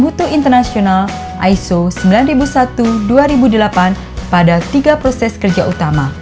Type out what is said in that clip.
mutu international iso sembilan ribu satu dua ribu delapan pada tiga proses kerja utama